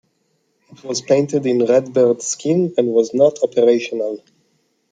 It was painted in redbird scheme and was not operational.